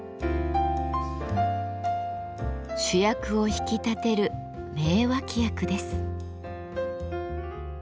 主役を引き立てる名脇役です。